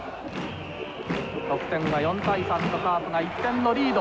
得点が４対３とカープが１点のリード。